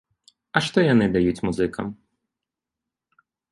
А што яны даюць музыкам?